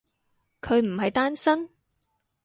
佢唔係單身？